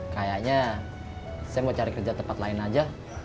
kayaknya saya mau cari kerja tempat lain aja